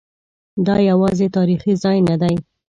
دا یوازې تاریخي ځای نه دی.